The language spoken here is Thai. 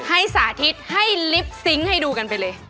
สาธิตให้ลิปซิงค์ให้ดูกันไปเลย